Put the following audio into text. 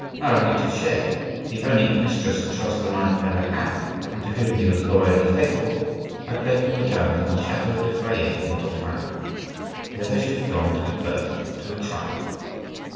Marie Touchet, the only mistress Charles IX. ever had and to whom he was loyally faithful, had lately returned from the chateau de Fayet in Dauphine, whither she had gone to give birth to a child.